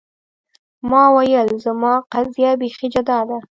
ما ویل زما قضیه بیخي جدا ده.